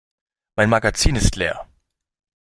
Mein Magazin ist leer.